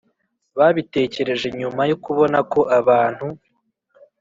babitekereje nyuma yo kubona ko abantu